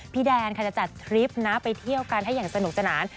แดนค่ะจะจัดทริปนะไปเที่ยวกันให้อย่างสนุกสนาน